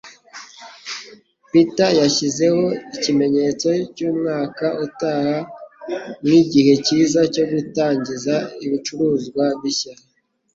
Peter yashyizeho ikimenyetso cyumwaka utaha nkigihe cyiza cyo gutangiza ibicuruzwa bishya